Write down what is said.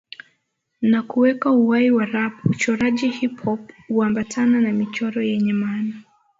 na kuweka uhai wa rap Uchoraji Hip Hop huambatana na michoro yenye maana